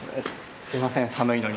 すいません寒いのに。